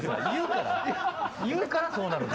言うからそうなる。